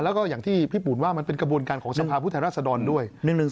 แล้วก็อย่างที่พี่ปุ่นว่ามันเป็นกระบวนการของสภาพผู้แทนรัศดรด้วย